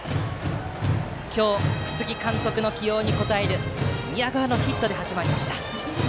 今日、楠城監督の起用に応える宮川のヒットで始まりました。